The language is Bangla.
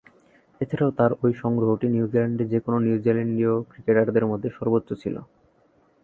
এছাড়াও তার ঐ সংগ্রহটি নিউজিল্যান্ডে যে-কোন নিউজিল্যান্ডীয় ক্রিকেটারদের মধ্যে সর্বোচ্চ ছিল।